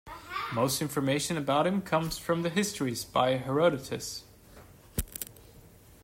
Most information about him comes from "The Histories" by Herodotus.